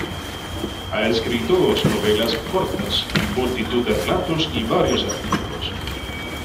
Ha escrito dos novelas cortas, multitud de relatos y varios artículos.